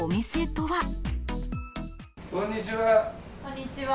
こんにちは。